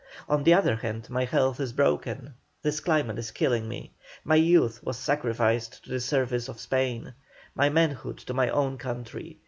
On the other hand, my health is broken, this climate is killing me. My youth was sacrificed to the service of Spain, my manhood to my own country.